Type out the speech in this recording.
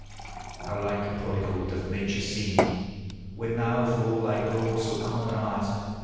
How like a prodigal doth nature seem When thou, for all tli.\ old. so common arl